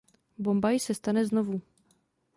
Bombaj se stane znovu.